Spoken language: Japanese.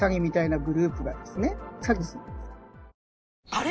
あれ？